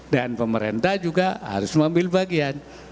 dan pemerintah juga harus mengambil bagian